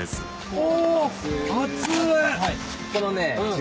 お！